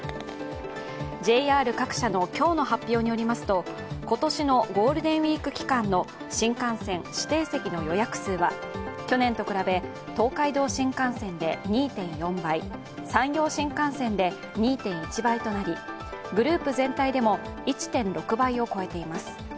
ＪＲ各社の今日の発表によりますと今年のゴールデンウイーク期間の新幹線指定席の予約数は去年と比べ東海道新幹線で２．４倍、山陽新幹線で２．１倍となりグループ全体でも１．６倍を超えています。